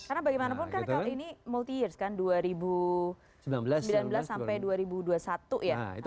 karena bagaimanapun kan ini multi years kan dua ribu sembilan belas sampai dua ribu dua puluh satu ya